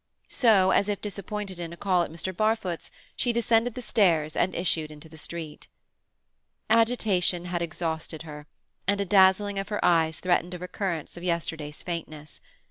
So, as if disappointed in a call at Mr. Barfoot's, she descended the stairs and issued into the street. Agitation had exhausted her, and a dazzling of her eyes threatened a recurrence of yesterday's faintness.